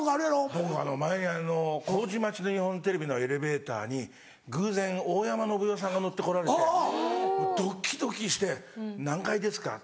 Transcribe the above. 僕前麹町の日本テレビのエレベーターに偶然大山のぶ代さんが乗って来られてドキドキして「何階ですか？」。